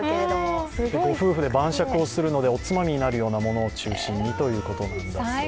夫婦で晩酌をするのでおつまみになるようなものを中心にということなんですね。